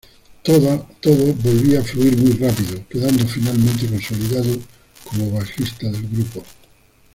Todo volvía a fluir muy rápido, quedando finalmente consolidado como bajista del grupo.